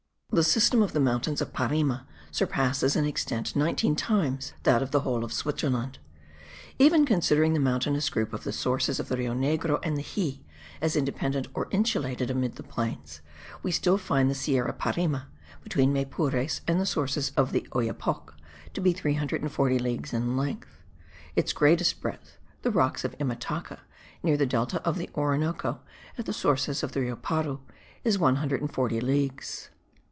The system of the mountains of Parime surpasses in extent nineteen times that of the whole of Switzerland. Even considering the mountainous group of the sources of the Rio Negro and the Xie as independent or insulated amidst the plains, we still find the Sierra Parime (between Maypures and the sources of the Oyapoc) to be 340 leagues in length; its greatest breadth (the rocks of Imataca, near the delta of the Orinoco, at the sources of the Rio Paru) is 140 leagues.